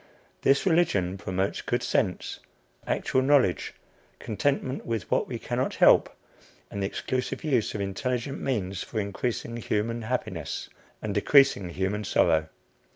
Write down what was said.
This religion promotes good sense, actual knowledge, contentment with what we cannot help, and the exclusive use of intelligent means for increasing human happiness and decreasing human sorrow.